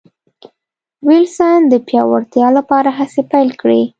وېلسن د پیاوړتیا لپاره هڅې پیل کړې.